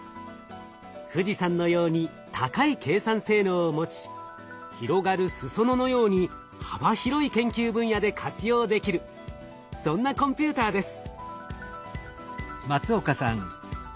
富士山のように高い計算性能を持ち広がるすそ野のように幅広い研究分野で活用できるそんなコンピューターです。